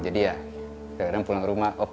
jadi ya kadang kadang pulang rumah